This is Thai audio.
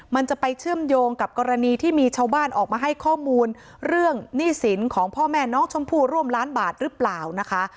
มันจะไปเชื่อมโยงกับกรณีที่มีชาวบ้านออกมาให้ข้อมูลเรื่องหนี้สินของพ่อแม่น้องชมพู่ร่วมล้านบาทหรือเปล่านะคะ